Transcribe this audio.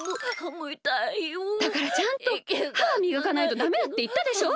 だからちゃんとははみがかないとダメだっていったでしょ！